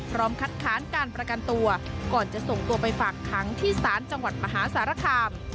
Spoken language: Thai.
คัดค้านการประกันตัวก่อนจะส่งตัวไปฝากขังที่ศาลจังหวัดมหาสารคาม